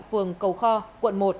phường cầu kho quận một